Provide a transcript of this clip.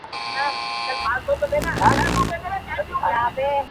دا موږک چي ځانته ګرځي بې څه نه دی،